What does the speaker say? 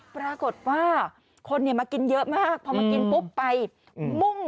ปรากฏว่าคนมากินเยอะมากพอมากินปุ๊บไปมุ่ง